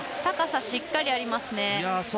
高さしっかりあります。